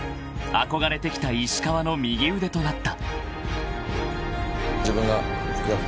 ［憧れてきた石川の右腕となった］